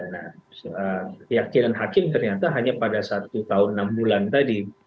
nah keyakinan hakim ternyata hanya pada satu tahun enam bulan tadi